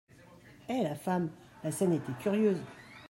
Et la femme ! La scène était curieuse.